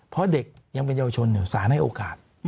เพราะเด็กยังเป็นเยาวชนอยู่สารให้โอกาส